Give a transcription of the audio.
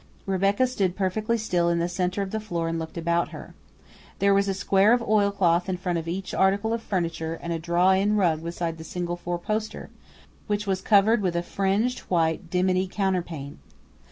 Rebecca stood perfectly still in the centre of the floor and looked about her. There was a square of oilcloth in front of each article of furniture and a drawn in rug beside the single four poster, which was covered with a fringed white dimity counterpane.